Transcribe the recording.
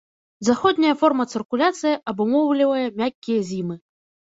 Заходняя форма цыркуляцыі абумоўлівае мяккія зімы.